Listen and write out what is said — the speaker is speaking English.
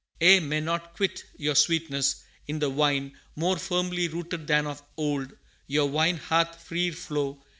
Ye may not quit your sweetness; in the Vine More firmly rooted than of old, your wine Hath freer flow!